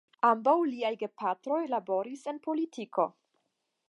Ambaŭ liaj gepatroj laboris en politiko.